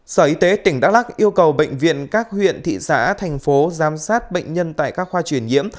sở y tế tỉnh đắk lắc yêu cầu bệnh viện các huyện thị xã thành phố giám sát bệnh nhân tại các khoa truyền nhiễm